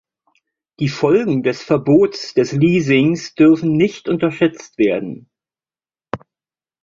Die Folgen des Verbots des Leasings dürfen nicht unterschätzt werden.